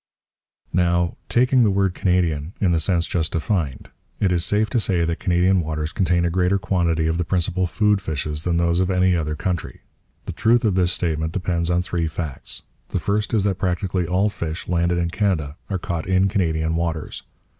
Now, taking the word Canadian in the sense just defined, it is safe to say that Canadian waters contain a greater quantity of the principal food fishes than those of any other country. The truth of this statement depends on three facts. The first is that practically all fish landed in Canada are caught in Canadian waters.